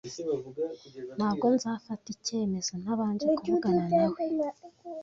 Ntabwo nzafata icyemezo ntabanje kuvugana nawe.